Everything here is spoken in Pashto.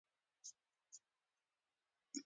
دلته اساسات تر پوښتنې لاندې راځي.